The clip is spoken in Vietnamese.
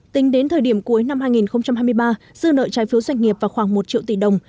tính đến thời điểm cuối năm hai nghìn hai mươi ba dư nợ trái phiếu doanh nghiệp vào khoảng một triệu tỷ đồng